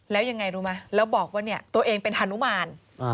แล้วยังไงรู้ไหมแล้วบอกว่าเนี่ยตัวเองเป็นฮานุมาน